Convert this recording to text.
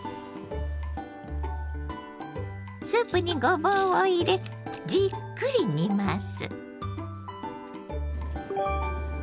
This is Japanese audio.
スープにごぼうを入れじっくり煮ます。